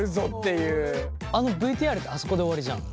あのＶＴＲってあそこで終わりじゃん。